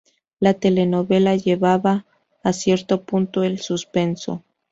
La telenovela llevaba a cierto punto el suspenso.